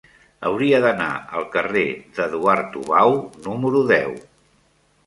Hauria d'anar al carrer d'Eduard Tubau número deu.